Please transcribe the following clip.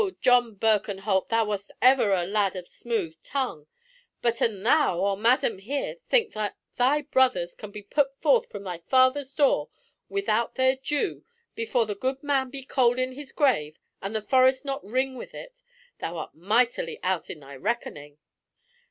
John Birkenholt, thou wast ever a lad of smooth tongue, but an thou, or madam here, think that thy brothers can be put forth from thy father's door without their due before the good man be cold in his grave, and the Forest not ring with it, thou art mightily out in thy reckoning!"